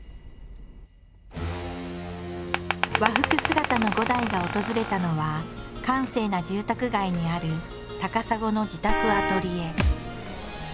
和服姿の伍代が訪れたのは閑静な住宅街にある高砂の自宅アトリエ。